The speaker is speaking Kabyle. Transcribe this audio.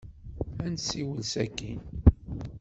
Ad nessiwel sakkin.